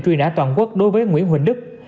truy nã toàn quốc đối với nguyễn huỳnh đức